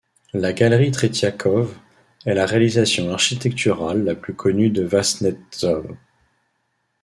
La Galerie Tretiakov est la réalisation architecturale la plus connue de Vasnetsov.